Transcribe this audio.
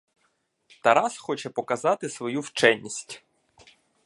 Тарас хоче показати свою вченість.